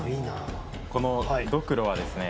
このドクロはですね